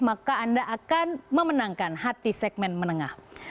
maka anda akan memenangkan hati segmen menengah